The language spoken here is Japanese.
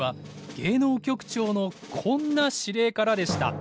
芸能局長のこんな指令からでした。